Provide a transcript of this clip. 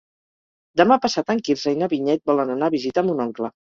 Demà passat en Quirze i na Vinyet volen anar a visitar mon oncle.